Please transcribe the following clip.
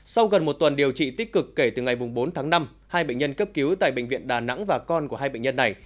sau gần một tuần điều trị tích cực kể từ ngày bốn tháng năm hai bệnh nhân cấp cứu tại bệnh viện đà nẵng và con của hai bệnh nhân này